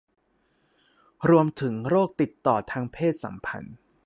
รวมถึงโรคติดต่อทางเพศสัมพันธ์